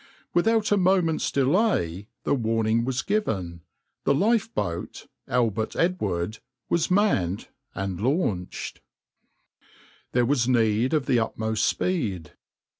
Without a moment's delay the warning was given, the lifeboat, {\itshape{Albert Edward}}, was manned and launched. There was need of the utmost speed.